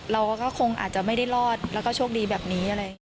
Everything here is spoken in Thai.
เราก็คงอาจจะไม่ได้รอดแล้วก็โชคดีแบบนี้